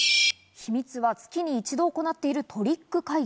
秘密は月に一度行っているトリック会議。